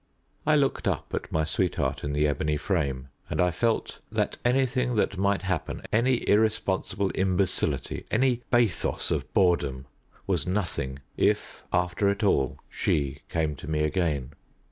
I looked up at my sweetheart in the ebony frame, and I felt that anything that might happen, any irresponsible imbecility, any bathos of boredom, was nothing, if, after it all, she came to me again.